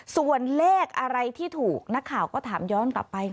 ส่วนเลขอะไรที่ถูกนักข่าวก็ถามย้อนกลับไป